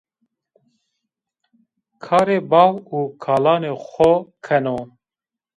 Karê bav û kalanê xo keno